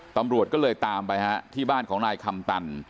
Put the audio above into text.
ตำรวจก็เลยตามไปฮะที่บ้านของนายคำตัน